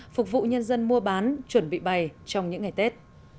phục vụ nhân dân mua bán chuẩn bị bày trong những ngày tết